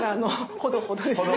ほどほどですよね。